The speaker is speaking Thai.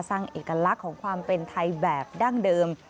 สร้างเอกลักษณ์ของความเป็นไทยแบบดั้งเดิม